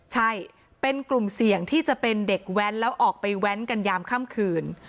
ใช่เป็นกลุ่มเสี่ยงที่จะเป็นเด็กแว้นแล้วออกไปแว้นกันยามค่ำคืน